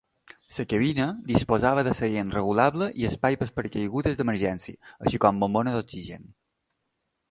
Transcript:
La cabina disposava de seient regulable i espai pel paracaigudes d'emergència, així com bombona d'oxigen.